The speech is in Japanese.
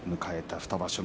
２場所目。